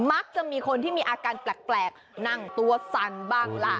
มักจะมีคนที่มีอาการแปลกนั่งตัวสั่นบ้างล่ะ